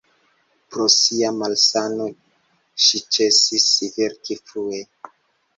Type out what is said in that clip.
Pro sia malsano ŝi ĉesis verki frue.